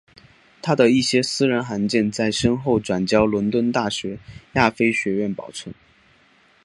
他的一些私人函件在身后转交伦敦大学亚非学院保存。